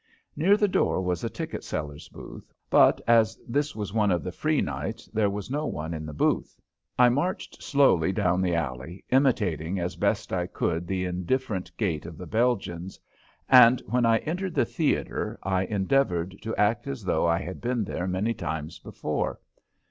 Near the door was a ticket seller's booth, but as this was one of the free nights there was no one in the booth. I marched slowly down the alley, imitating as best I could the indifferent gait of the Belgians, and when I entered the theater I endeavored to act as though I had been there many times before.